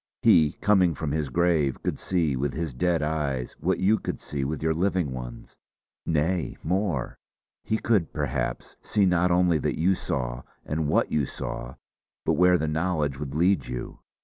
He, coming from his grave, could see with his dead eyes what you could see with your living ones. Nay, more; he could, perhaps, see not only that you saw, and what you saw, but where the knowledge would lead you.